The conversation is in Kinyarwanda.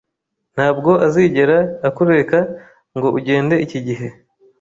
Ntabwo azigera akureka ngo ugende iki gihe